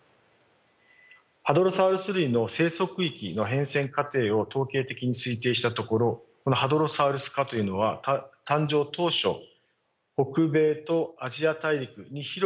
ハドロサウルス類の生息域の変遷過程を統計的に推定したところこのハドロサウルス科というのは誕生当初北米とアジア大陸に広く分布していたことが分かりました。